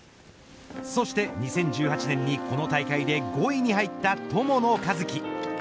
そして２０１８年にこの大会で５位に入った友野一希。